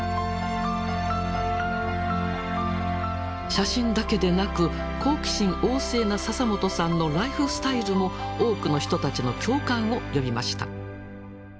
写真だけでなく好奇心旺盛な笹本さんのライフスタイルも多くの人たちの共感を呼びました。